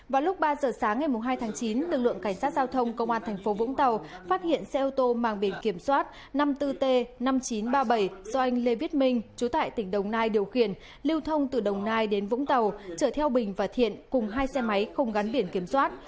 vào lúc ba giờ sáng ngày hai tháng chín lực lượng cảnh sát giao thông công an thành phố vũng tàu phát hiện xe ô tô mang biển kiểm soát năm mươi bốn t năm nghìn chín trăm ba mươi bảy do anh lê viết minh chú tại tỉnh đồng nai điều khiển lưu thông từ đồng nai đến vũng tàu chở theo bình và thiện cùng hai xe máy không gắn biển kiểm soát